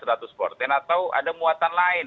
atau ada muatan lain